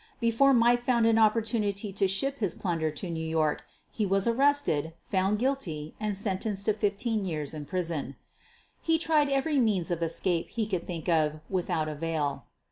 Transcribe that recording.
Before Mike found an opportunity to ship hif plunder to New York he was arrested, found guilt] and sentenced to fifteen years in prison. He tried every means of escape he could think of without avail.